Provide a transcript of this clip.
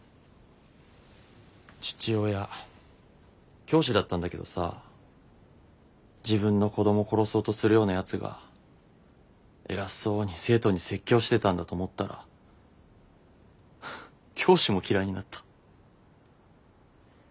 父親教師だったんだけどさ自分の子ども殺そうとするようなやつが偉そうに生徒に説教してたんだと思ったらフフ教師も嫌いになった。